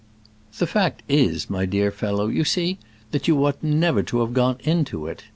"The fact is my dear fellow, you see, that you ought never to have gone into it.